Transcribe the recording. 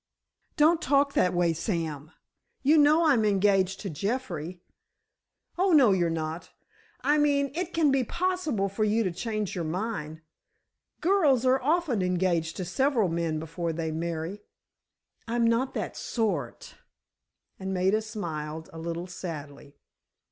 "Don't talk that way, Sam. You know I'm engaged to Jeffrey." "Oh, no, you're not. I mean, it can be possible for you to change your mind. Girls are often engaged to several men before they marry." "I'm not that sort," and Maida smiled a little sadly.